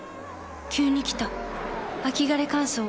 急に来た秋枯れ乾燥。